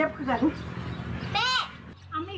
เบ้ยกระแทรกนะเบี้ย